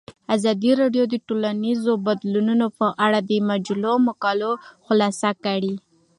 ازادي راډیو د ټولنیز بدلون په اړه د مجلو مقالو خلاصه کړې.